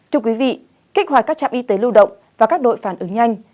thưa quý vị kích hoạt các trạm y tế lưu động và các đội phản ứng nhanh